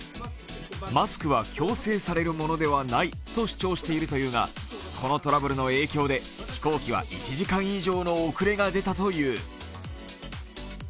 マスクは強制されるものではないと主張しているというがこのトラブルの影響で飛行機は１時間以上の遅れが出たという。